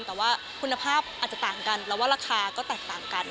แต่ว่าคุณภาพอาจจะต่างกันแล้วว่าราคาก็แตกต่างกัน